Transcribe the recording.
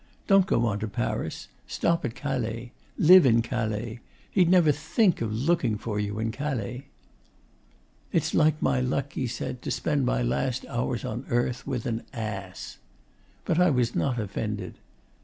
Don't go on to Paris. Stop at Calais. Live in Calais. He'd never think of looking for you in Calais.' 'It's like my luck,' he said, 'to spend my last hours on earth with an ass.' But I was not offended.